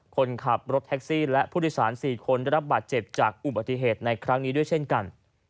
คนขับรถแท็กซี่และผู้โดยสาร๔คนได้รับบาดเจ็บจากอุบัติเหตุในครั้งนี้ด้วยเช่นกัน